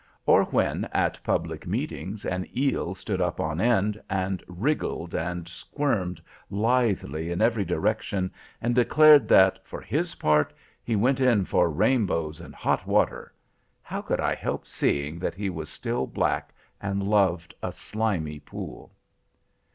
Or when at public meetings an eel stood up on end, and wriggled and squirmed lithely in every direction, and declared that, for his part, he went in for rainbows and hot water—how could I help seeing that he was still black and loved a slimy pool?